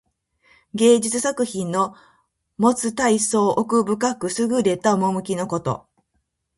芸術作品のもつたいそう奥深くすぐれた趣のこと。